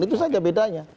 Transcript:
itu saja bedanya